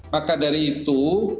maka dari itu